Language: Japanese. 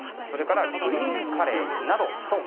それから、グリーンカレーなど。